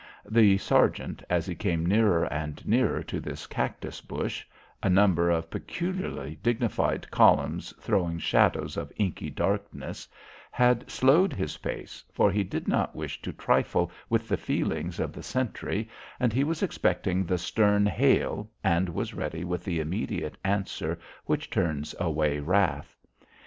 The sergeant, as he came nearer and nearer to this cactus bush a number of peculiarly dignified columns throwing shadows of inky darkness had slowed his pace, for he did not wish to trifle with the feelings of the sentry, and he was expecting the stern hail and was ready with the immediate answer which turns away wrath.